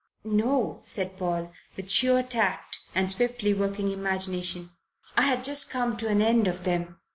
"No," said Paul, with his sure tact and swiftly working imagination. "I had just come to an end of them.